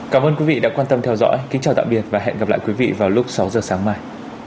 cảm ơn quý vị đã quan tâm theo dõi kính chào tạm biệt và hẹn gặp lại quý vị vào lúc sáu giờ sáng mai